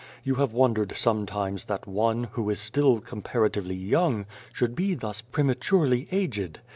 You have wondered sometimes that one, who is still comparatively young, should be thus prematurely aged.